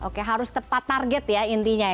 oke harus tepat target ya intinya ya